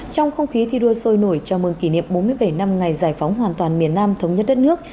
trong không khí thi đua sôi nổi chào mừng kỷ niệm bốn mươi bảy năm ngày giải phóng hoàn toàn miền nam thống nhất đất nước